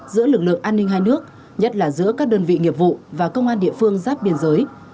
giữa lực lượng an ninh hai nước nhất là giữa các đơn vị nghiệp vụ và công an địa phương giáp biên giới